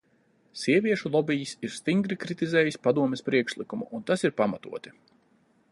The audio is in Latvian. Sieviešu lobijs ir stingri kritizējis Padomes priekšlikumu, un tas ir pamatoti.